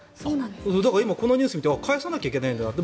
だから今、このニュースを見て返さなきゃいけないんだなと。